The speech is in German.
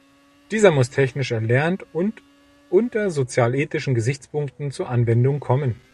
Dieser muss technisch erlernt und unter sozialethischen Gesichtspunkten zur Anwendung kommen.